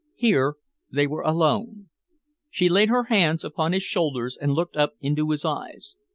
Here they were alone. She laid her hands upon his shoulders and looked up into his eyes.